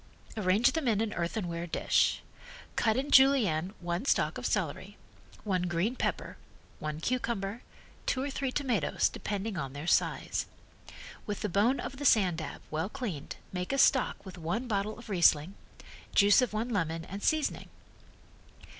Arrange them in an earthenware dish. Cut in Julienne one stalk of celery, one green pepper, one cucumber, two or three tomatoes, depending on their size. With the bone of the sand dab, well cleaned, make a stock with one bottle of Riesling, juice of one lemon and seasoning.